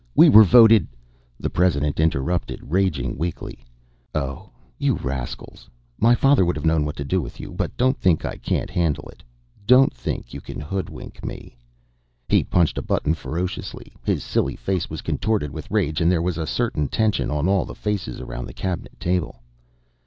We were voted " The President interrupted, raging weakly: "Oh, you rascals! My father would have known what to do with you! But don't think I can't handle it. Don't think you can hoodwink me." He punched a button ferociously; his silly face was contorted with rage and there was a certain tension on all the faces around the Cabinet table.